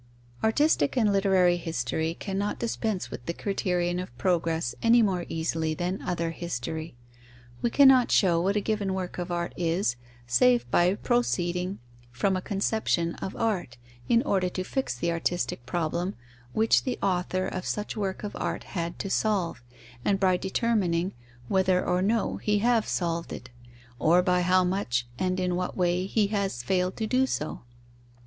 _ Artistic and literary history cannot dispense with the criterion of progress any more easily than other history. We cannot show what a given work of art is, save by proceeding from a conception of art, in order to fix the artistic problem which the author of such work of art had to solve, and by determining whether or no he have solved it, or by how much and in what way he has failed to do so.